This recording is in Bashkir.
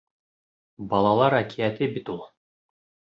Балалар әкиәте бит ул!